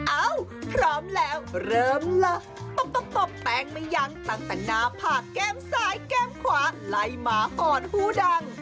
เอ้าพร้อมแล้วเริ่มละป๊อบป๊อบป๊อบแปลงมันยังตั้งแต่หน้าผ่าแก้มซ้ายแก้มขวาไล่ม้าหอดฮู้ดัง